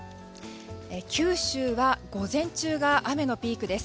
九州は、午前中が雨のピークです。